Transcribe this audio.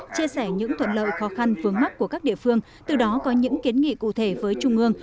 chia sẻ những thuận lợi khó khăn vướng mắt của các địa phương từ đó có những kiến nghị cụ thể với trung ương